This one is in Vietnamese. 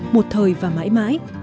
một thời và mãi mãi